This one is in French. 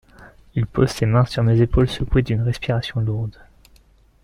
Il pose ses mains sur mes épaules secouées d'une respiration lourde.